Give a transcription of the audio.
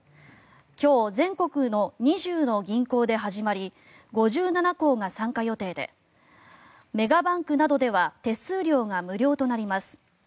今日、全国の２０の銀行で始まり５７行が参加予定でメガバンクなどでは手数料が無料となります。